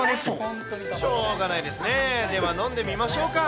しょうがないですね、では飲んでみますか。